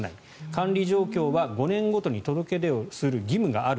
管理状況は５年ごとに届け出をする義務がある。